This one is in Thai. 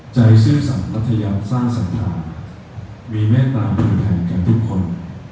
ใจซื่อสรรพยาบสร้างศรัทธามีเมตตาบริไทยกับทุกคน